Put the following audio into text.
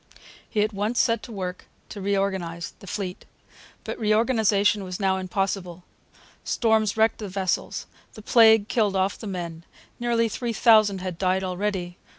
He at once set to work to reorganize the fleet. But reorganization was now impossible. Storms wrecked the vessels. The plague killed off the men: nearly three thousand had died already.